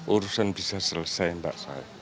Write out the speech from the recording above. urusan bisa selesai mbak